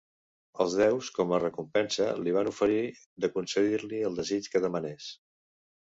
Els déus, com a recompensa, li van oferir de concedir-li el desig que demanés.